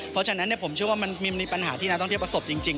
เพราะฉะนั้นผมเชื่อว่ามันมีปัญหาที่นักท่องเที่ยวประสบจริง